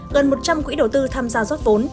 gần một trăm linh quỹ đầu tư tham gia rót vốn